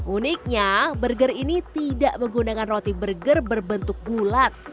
uniknya burger ini tidak menggunakan roti burger berbentuk bulat